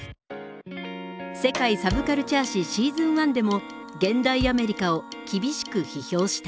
「世界サブカルチャー史シーズン１」でも現代アメリカを厳しく批評した。